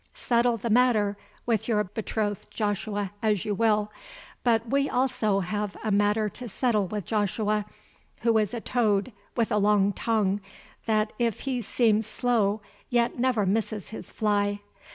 Settle the matter with your betrothed Joshua as you will. But we also have a matter to settle with Joshua, who is a toad with a long tongue that if he seems slow yet never misses his fly.